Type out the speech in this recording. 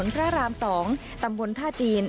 พระราม๒ตำบลท่าจีน